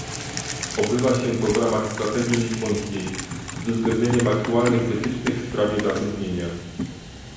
Obywa się to w ramach strategii lizbońskiej, z uwzględnieniem aktualnych wytycznych w sprawie zatrudnienia